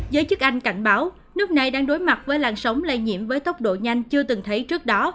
giới chức anh cảnh báo nước này đang đối mặt với làn sóng lây nhiễm với tốc độ nhanh chưa từng thấy trước đó